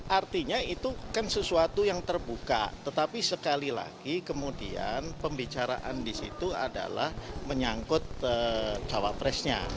artinya itu kan sesuatu yang terbuka tetapi sekali lagi kemudian pembicaraan di situ adalah menyangkut cawapresnya